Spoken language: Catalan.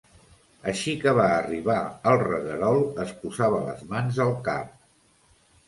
Així que va arribar al reguerol es posava les mans al cap